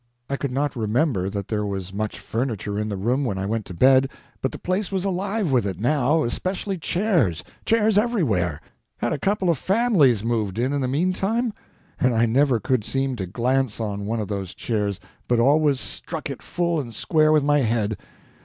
I could not remember that there was much furniture in the room when I went to bed, but the place was alive with it now especially chairs chairs everywhere had a couple of families moved in, in the mean time? And I never could seem to GLANCE on one of those chairs, but always struck it full and square with my head.